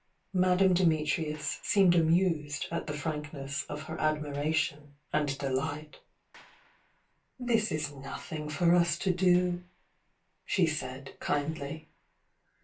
Madame Dimitrius seemed amused at the frankness of her admiration and delight. 114 THE YOUNG DIANA "This is nothing for us to do," she said, kindly.